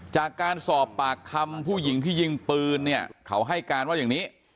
จากการสอบปากคำผู้หญิงที่ยิงปืนเนี่ยเขาให้การว่าอย่างนี้